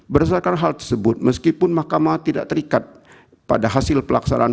berdasarkan hal tersebut meskipun mahkamah tidak terikat pada hasil pelaksanaan